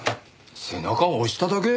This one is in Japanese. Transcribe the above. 背中を押しただけ？